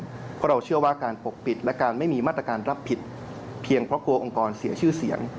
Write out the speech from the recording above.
เพราะเราเชื่อว่าการปกปิดและการไม่มีมาตรการรับผิดเพียงเพราะกลัวองค์กรเสียชื่อเสียง